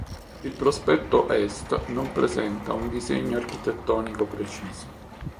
Il prospetto Est non presenta un disegno architettonico preciso.